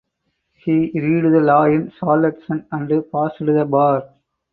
He read law in Charleston and passed the bar.